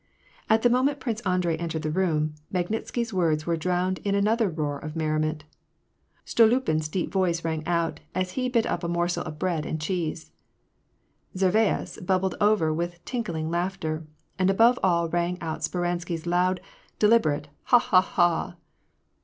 At the moment Prince Andrei entered the room, Mag nitsky's words were drowned in another roar of merriment : Stoluipin's deep voice rang out, as he bit up a morsel of bread and cheese ; Zhervais bubbled over with tinkling laughter ; and above all rang out Speransky's loud, deliberate harha ha.